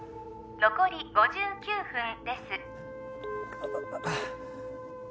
残り５９分です